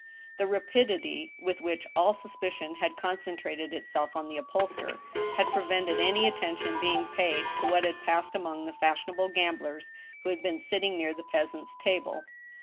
The rapidity with which all suspicion had concentrated itself on the upholsterer had prevented any attention being paid to what had passed among the fashionable gamblers who had been sitting near the peasant's table.